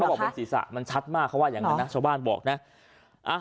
บอกบนศีรษะมันชัดมากเขาว่าอย่างนั้นนะชาวบ้านบอกนะ